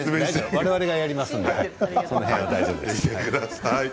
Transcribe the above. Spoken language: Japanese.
我々がやりますのでその辺は大丈夫です。